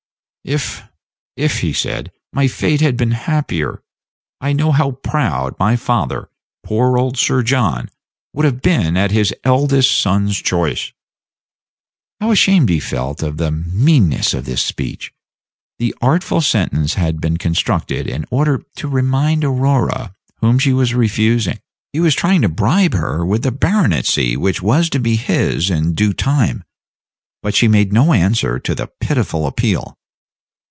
"If if," he said, "my fate had been happier, I know how proud my father, poor old Sir John, would have been of his eldest son's choice." How ashamed he felt of the meanness of this speech! The artful sentence had been constructed in order to remind Aurora whom she was refusing. He was trying to bribe her with the baronetcy which was to be his in due time. But she made no answer to the pitiful appeal.